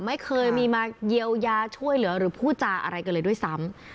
ไม่เคยมีมาเยียวยาช่วยเหลือหรือพูดจาอะไรกันเลยด้วยซ้ำ